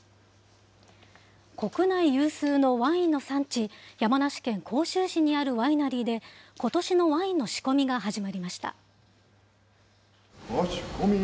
国内有数のワインの産地、山梨県甲州市にあるワイナリーで、ことしのワインの仕込みが始まりました。